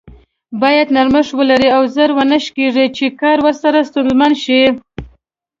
بايد نرمښت ولري او زر و نه شکیږي چې کار ورسره ستونزمن شي.